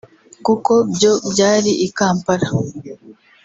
kuko byo byari i Kampala